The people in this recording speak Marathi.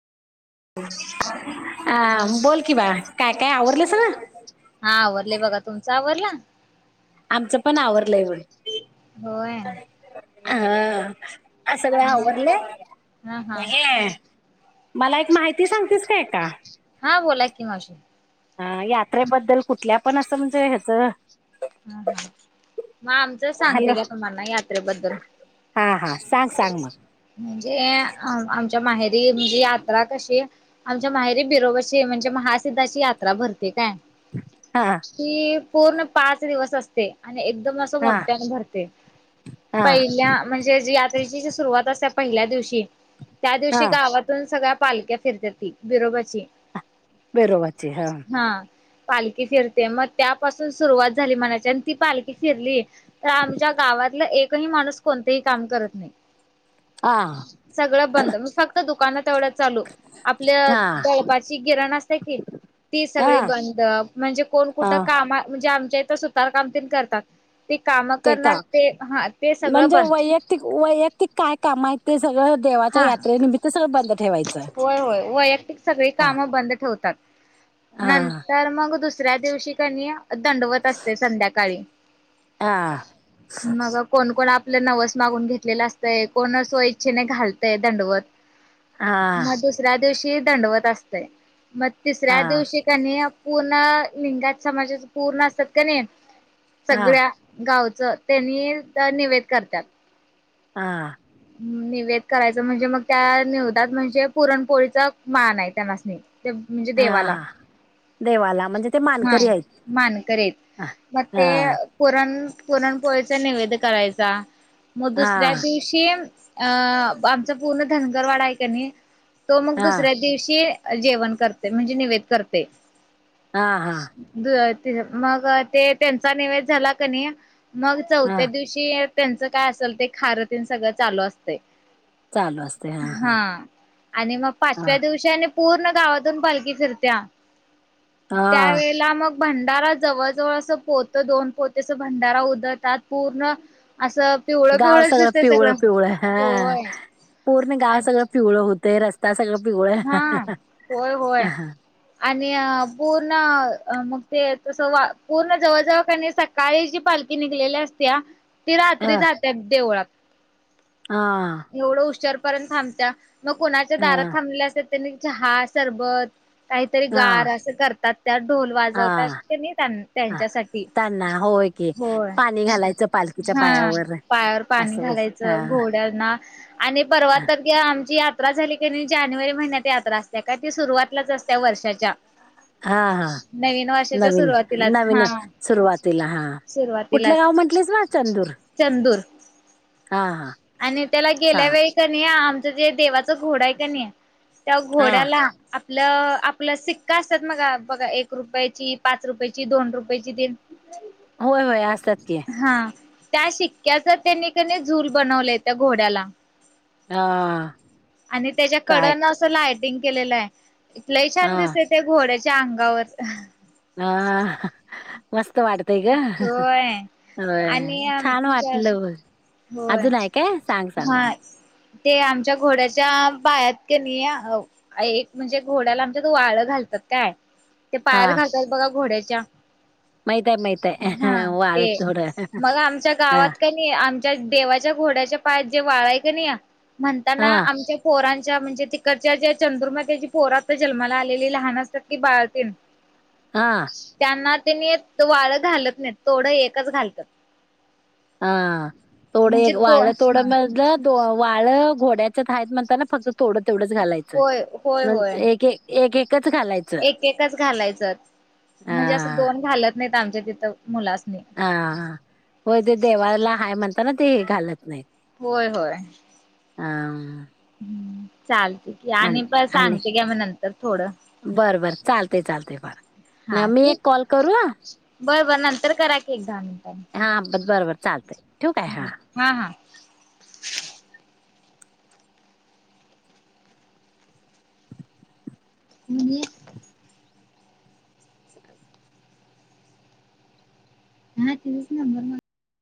हा अं बोल की बाळ काय काय आवरल सगळं लय बघा तुमचा आवरला आमचं पण आवरलंय बग होय अं सगळं ह हा हा आवरलंय [inaudible] मला एक माहिती सांगतेस काय का हा बोला की मावशी अं यात्रेबद्दल कुठल्या पण असं म्हणजे ह्याचं‌ अं.. हा हा मग आमचंच सांगते हॅलो का तुम्हाला यात्रेबद्दल हा हा सांग सांग मग म्हणजे अ-अं आच्या माहेरी म्हणजे यात्रा कशी आमच्या माहेरी बिरोबची म्हणजे महासिद्धाची यात्रा भरते काय हा हि पूर्ण पाच दिवस असते आणि अस हा मोठ्या भरते हा पहिल्या म्हणजे सुरुवात अस पहिल्या दिवशी त्या हा दिवशी गावातून सगळ्या पालक्या फिरत ती बिरोबाची बेरोबरचे हा पालखी फिरते मग त्यापासून सुरुवात झाली म्हणाची आणि ती पालखी फिरली तर आमच्या गावातला एकही माणूस कोणतही काम कर हा सग ब फक्त दुकानाव चालू आपल्या हा दळपाची गिरण असत की ती सगळी हा बंद म्हणजे कोण हा कुठं काम म्हणजे आमच्या इथं सुतारकाम त करतात ते काम ते का करणार हा ते सगळं म्हणजे बंद वैयक्तिक वैयक्तिक काय का माहिती सगळं देवाच्या हा यात्रेनमितत सगळं बंद ठेवायचं होय होय वैयक्तिक सगळी हा कामं बंद ठेवतात हा नंतर मग दुसऱ्या दिवशी कनी दंडवत असते संध्याकाळी हा मग कोणकण आप आपलं नवस मागून घेतलेलं असतय कोण स्व इच्छेने घालतय दंडवत हा मग दुसऱ्या दिवशी दंडवत असतय मग तिसऱ्या हा दिवशी कानी पूर्ण लिंगाात समाजा पूर्ण असतात का नाही हा सगळ्या गाव त्यांनी निवेद करतात हा निवेद करायचं म्हणजे मग त्या निवेदात म्हणजे पुरणपोळीचा मान आहे त्या मासणी ते म्हणजे हा देवाला हा देवाला म्हणजे ते हा मानकरी आहेत मानकरेत हा मग ते हा पुरण पुरणपोळीचा निवेद करायचा मग हा दुसऱ्या दिवशी अ आमचा पूर्ण धनगरवाडा आहे का नाही तो मग दुसऱ्या हा दिवशी जेवण करते म्हणजे निवेद करते हा हा मग ते त्यांचा निवेद झाला क नाही मग चौथ्या हा दिवशी त्यांच काय असेल ते खारतीन सगळं चालू असते हा आणि मग हा पाचव्या दिवशीने पूर्ण गावातून पालखी फिरत्या हा त्यावेेळेला मग भंडारा जवळ जवळ असं पोत दोन पोते अस भंडारा उदळतात पूर्ण असं पिवळं पिवळ श पिवळ पिवळ हा पूर्ण गाव सगळं पिवळ होतंय रस्ता सगळं पिवळं हा होय होय हा हा आणि पूर्ण मग ते तस पूर्ण जवळ जवळ सकाळी ज पालखी निघल्या असत्या ते रात्री जातात देवळात हा एवढं हुशारपर्यंत थांबत मग कोणाच्या दारात त्यां ह सरबत काहीतरी गार हा अस करतात त्यात ढोल वाजवतात हा ते नाही हा. त्यांच्यासाठी त्यांना होय की होय पाणी घालायचं पालखीच्या हा पायावर पायावर पाणी असं होय हा घालायचं घोड्यांना आणि परवा हा तर आमची आ यात्रा झाली का नाही जानेवारी महिन्यात यात्रा असते का त सुरुवातलाच असत वर्षाच्या हा हा नवीन वर्षाच्या नवीन सुरुवातीलाच हा नवीन सुरुवातीला हा कुठलं सुरुवातीलाच गाव म्हंटलीस ना चंदूर चंदूर. हा हा आणि त्याला चा गेल्या वेळी क नाही आमचं जे देवाचं घोड आहे का नाहीय. त्या हा घोड्याला आ ल आपलं सिक्का असतात मग बघा एक रुपयाची पाच रुपयाची, दोन रुपयाची, तीन. होय होय असतात की. हा त्या शिक्क्याचा त्यानी क झूल बनवले त्या घोड्याला. हा. आणि त्याच्या कडना असं लाटिंग केलेलं आहे, लय छान हा दिसत ते घोड्याच्या. अंगावर. हा हा मस्त. वाटतय ग ह ह होय होय आणि छान वाटलं बग. होय अजून आहे काय सांग सांग बाळ. हा ते आमच्या घोड्याच्या पायात कणी एक म्हणजे घोड्याला आमच्यात वाळ घालतात. काय ते हा पायात घालताात बघा घोड्याच्या. माय हा माहितय वाळ ते तोड. मग आमच्या गावात का नाही आमच्या देवाच्या घोड्याचे पाय. ते वाळ आहे का नाही हा म्हणताना आमच्या पोरां म्हणजे तिकडच्या ज्या चंदुर्म त्याची पोरात जन्माला आलेली लहान असतात की बाळतीन. हा त्यांना त्यांनी वाळ घालत नाही तोडं एकच घालतात. हा म्हणजे थोडं वाळ दोन थोडं मधलं द वाळ. घोड्याच्या हाईत म्हणताना फक्त थोडं तेवढंच घालायचं होय होय नंत होय एक एक एक एक. एक एकच घालायचं म्हणजे असं हा दोन घालत नाहीत आमच्या तिथं मुलासनी. हा हा होय ते देवाला हाय म्हणताना ते घालत नाहीत. होय होय. आ हम्म चालते की, आणि पण आणि सांगते घ्या म नंतर थोड. बरं बरं चालते चालते बरं मी एक कॉल करूया. बरं बर नंतर करा की दहा मिनिट. हा अ बरोबर चालतय. हा हा. हे [unintelligible] हा तेच नबर म